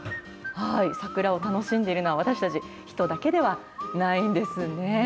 桜を楽しんでいるのは、私たち人だけではないんですね。